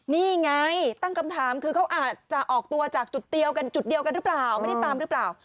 นี่ไงตั้งคำถามคือเขาอาจจะออกตัวจากจุดเดียวกันจุดเดียวกันหรือเปล่า